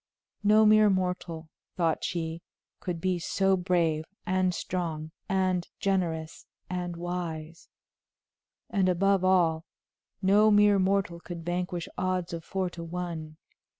No mere mortal, thought she, could be so brave and strong and generous and wise; and above all, no mere mortal could vanquish odds of four to one.